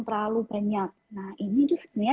terlalu banyak nah ini itu sebenarnya